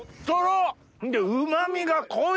うま味が濃い！